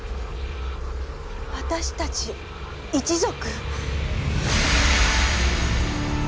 私たち一族？